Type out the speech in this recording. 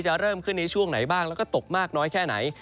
เริ่มขึ้นในช่วงไหนบ้างแล้วก็ตกมากน้อยแค่ไหน